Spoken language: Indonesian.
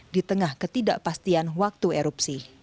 di tengah ketidakpastian waktu erupsi